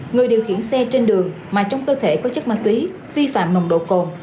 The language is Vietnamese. người điều khiển xe trên đường mà trong cơ thể có chất ma túy vi phạm nồng độ cồn